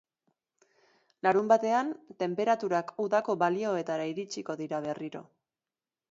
Larunbatean, tenperaturak udako balioetara iritsiko dira berriro.